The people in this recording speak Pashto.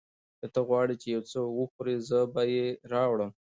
که ته غواړې چې یو څه وخورې، زه به یې راوړم.